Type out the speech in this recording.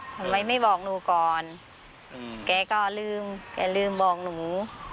ทำไมไม่บอกหนูก่อนแกก็ลืมแกลืมบอกหนู